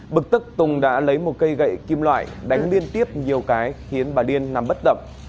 bực tức tùng đã lấy một cây gậy kim loại đánh liên tiếp nhiều cái khiến bà điên nằm bất động